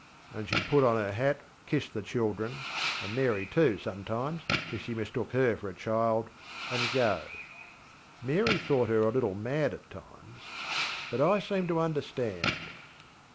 ŌĆÖ And sheŌĆÖd put on her hat, kiss the childrenŌĆöand Mary too, sometimes, as if she mistook her for a childŌĆöand go. Mary thought her a little mad at times. But I seemed to understand.